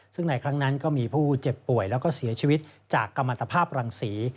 ซึ่งในครั้งนั้นก็มีผู้เจ็บป่วยแล้วก็เสียชีวิตจากกรรมตภาพรังศรี